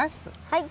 はい。